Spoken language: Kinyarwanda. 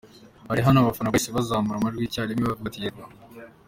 Ari hano?” Abafana bahise bazamura amajwi icya rimwe baravuga bati “Yego”.